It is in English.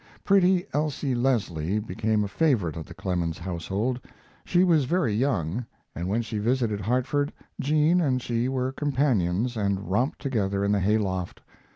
Pretty Elsie Leslie became a favorite of the Clemens household. She was very young, and when she visited Hartford Jean and she were companions and romped together in the hay loft.